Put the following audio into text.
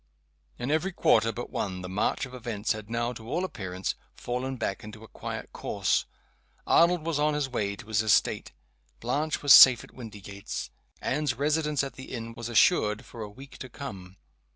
In every quarter but one the march of events had now, to all appearance, fallen back into a quiet course. Arnold was on his way to his estate; Blanche was safe at Windygates; Anne's residence at the inn was assured for a week to come.